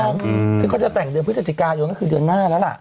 ซึ่งเค้าก็จะแต่งเดือนพฤศจิกายนอยู่นั้นคือเดือนหน้าแล้วล่ะ